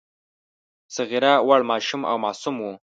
صغیر وړ، ماشوم او معصوم وو.